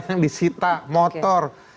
yang disita motor oke